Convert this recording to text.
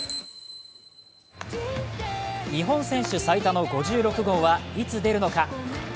日本選手最多の５６号は一出るのか？